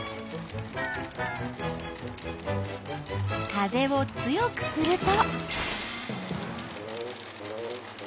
風を強くすると？